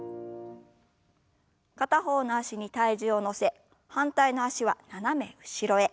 片方の脚に体重を乗せ反対の脚は斜め後ろへ。